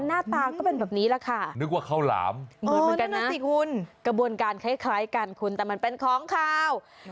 หน้าตาก็เป็นแบบนี้แหละค่ะนึกว่าข้าวหลามเหมือนกันนะกระบวนการคล้ายกันคุณแต่มันเป็นของขาว